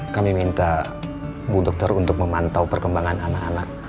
kami minta bu dokter untuk memantau perkembangan anak anak